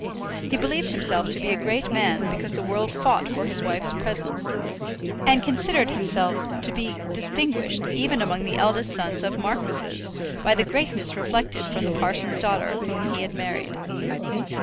He believed himself to be a great man because the world fought for his wife's presence; and considered himself to be distinguished even among the eldest sons of marquises, by the greatness reflected from the parson's daughter whom he had married.